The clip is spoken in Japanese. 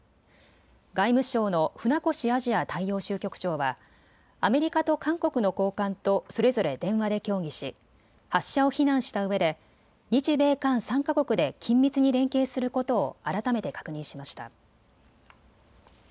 外務省の船越アジア大洋州局長はアメリカと韓国の高官とそれぞれ電話で協議し発射を非難したうえで日米韓３か国で緊密に連携することを改めて確認しました。